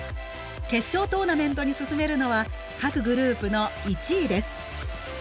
決勝トーナメントに進めるのは各グループの１位です。